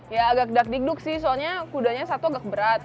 ya agak dagdikduk sih soalnya kudanya satu agak berat